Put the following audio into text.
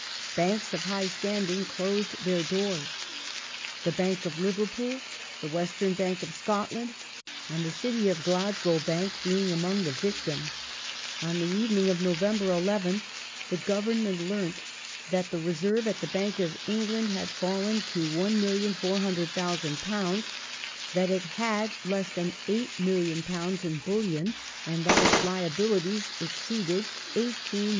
Banks of high standing closed their doors : the Bank of Liverpool, the West ern Bank of Scotland, and the City of Glasgow Bank being among the victims. On the evening of November 11th the Government learnt that the reserve at the Bank of England had fallen to £1,400,000; that it had less than £8,000,000 in bullion, and that its liabilities exceeded £18,000,000.